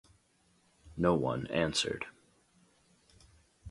No one answered.